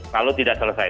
kalau tidak selesai